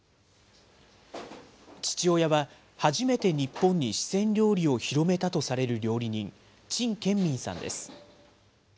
父親は初めて日本に四川料理を広めたとされる料理人、陳建民さんです。